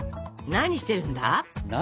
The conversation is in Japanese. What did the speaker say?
何してるんだ？